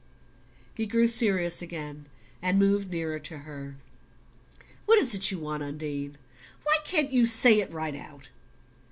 He grew serious again and moved nearer to her. "What is it you want, Undine? Why can't you say it right out?"